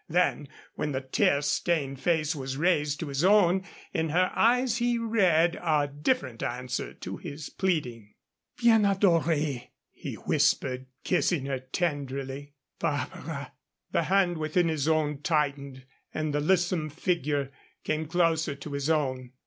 Then, when the tear stained face was raised to his own, in her eyes he read a different answer to his pleading. "Bien adorée!" he whispered, kissing her tenderly "Barbara!" The hand within his own tightened and the lissome figure came closer to his own.